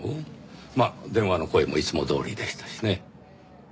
まあ電話の声もいつもどおりでしたしね。